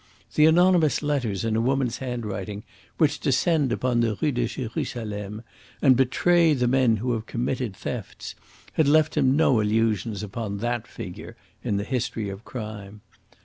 The anonymous letters in a woman's handwriting which descend upon the Rue de Jerusalem, and betray the men who have committed thefts, had left him no illusions upon that figure in the history of crime.